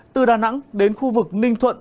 từ đà nẵng đến khu vực ninh thuận